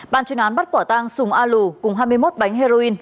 ban chuyên án bắt quả tang sùng a lù cùng hai mươi một bánh heroin